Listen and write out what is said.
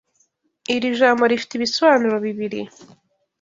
Iri jambo rifite ibisobanuro bibiri.